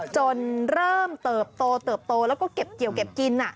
จนเริ่มเติบโตเติบโตแล้วก็เก็บเกี่ยวเก็บกิน